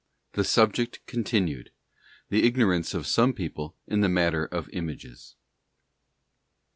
'The subject continued. The ignorance of some people in the matter r of Images.